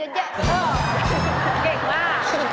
เก่งมาก